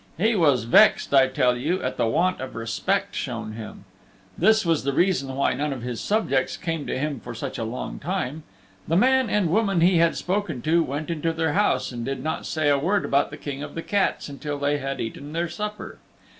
He was vexed, I tell you, at the want of respect shown him. This was the reason why none of his subjects came to him for such a long time: The man and woman he had spoken to went into their house and did not say a word about the King of the Cats until they had eaten their supper.